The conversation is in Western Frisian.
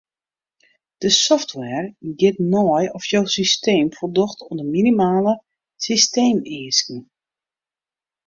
De software giet nei oft jo systeem foldocht oan de minimale systeemeasken.